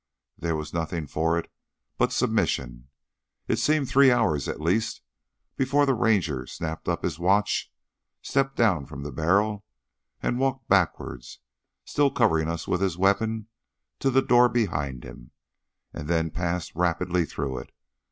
There was nothing for it but submission. It seemed three hours at the least before the ranger snapped up his watch, stepped down from the barrel, walked backwards, still covering us with his weapon, to the door behind him, and then passed rapidly through it.